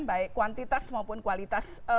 baik kuantitas maupun kualitas